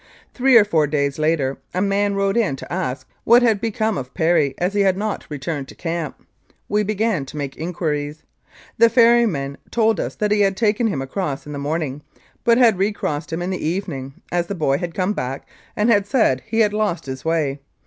Three or four days later a man rode in to ask what had become of Perry, as he had not returned to camp. We began to make inquiries. The ferryman told us that he had taken him across in the morning, but had recrossed him in the evening, as the boy had come back and had said that he had lost his way.